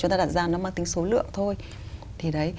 chúng ta đặt ra nó mang tính số lượng thôi đấy